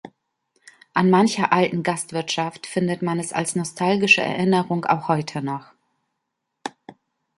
An mancher alten Gastwirtschaft findet man es als nostalgische Erinnerung auch heute noch.